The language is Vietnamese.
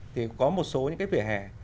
thì có một số những cái vỉa hè